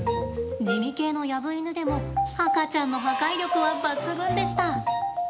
地味系のヤブイヌでも赤ちゃんの破壊力は抜群でした。